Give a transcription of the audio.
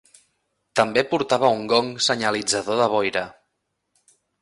També portava un gong senyalitzador de boira.